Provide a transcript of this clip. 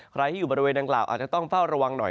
ใครที่อยู่บริเวณดังกล่าวอาจจะต้องเฝ้าระวังหน่อย